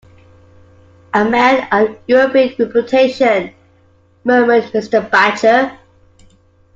"A man of European reputation," murmured Mr. Badger.